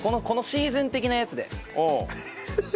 シーズン的なやつで。